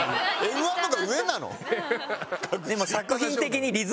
Ｍ−１の方が上なの？